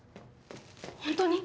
ホントに？